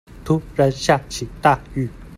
突然下起大雨